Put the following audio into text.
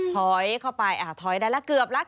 ถอยเข้าไปถอยได้แล้วเกือบแล้ว